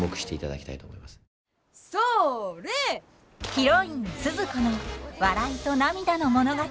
ヒロインスズ子の笑いと涙の物語。